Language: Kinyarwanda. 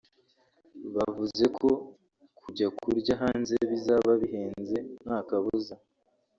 Bavuze ko kujya kurya hanze bizaba bihenze nta kabuza